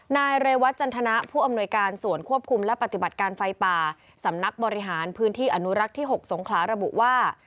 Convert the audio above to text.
นายเรวัตจันทนะผู้อำนวยการส่วนควบคุมและปฏิบัติการไฟป่าสำนักบริหารพื้นที่อนุรักษ์ที่๖สงขลาระบุว่า